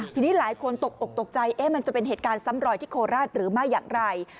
ทีนี้หลายคนตกอกตกใจมันจะเป็นเหตุการณ์ซ้ำรอยที่โคราชหรือไม่อย่างไร